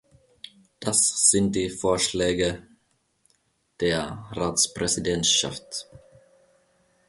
Das sind die Vorschläge der Ratspräsidentschaft.